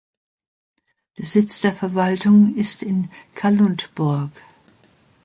Der Sitz der Verwaltung ist in Kalundborg.